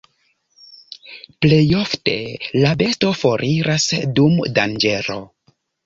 Plejofte la besto foriras dum danĝero.